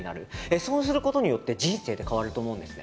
そうすることによって人生って変わると思うんですね。